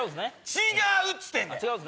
違うっつってんねん！